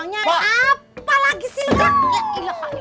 ya ilah ilah